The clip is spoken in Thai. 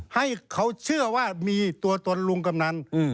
ให้เขาเชื่อว่ามีตัวตนลุงกำนัน